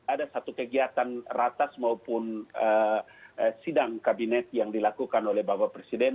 ada satu kegiatan ratas maupun sidang kabinet yang dilakukan oleh bapak presiden